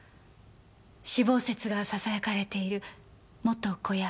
死亡説がささやかれている元子役